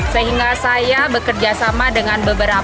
sehingga saya bekerjasama dengan bekastambang